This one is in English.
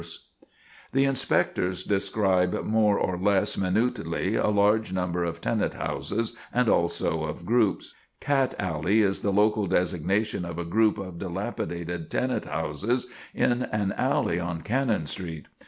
[Sidenote: Cat Alley] The inspectors describe more or less minutely a large number of tenant houses, and also of groups: "'Cat Alley' is the local designation of a group of dilapidated tenant houses in an alley on Cannon Street.